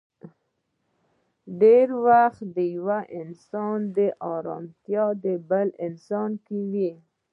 ډېری وخت د يو انسان ارمتيا په بل انسان کې وي.